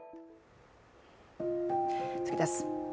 次です。